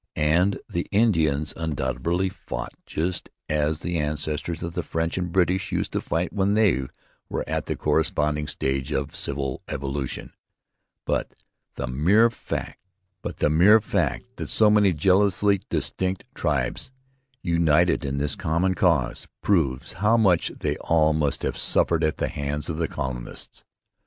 And the Indians undoubtedly fought just as the ancestors of the French and British used to fight when they were at the corresponding stage of social evolution. But the mere fact that so many jealously distinct tribes united in this common cause proves how much they all must have suffered at the hands of the colonists.